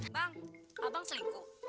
bang abang selingkuh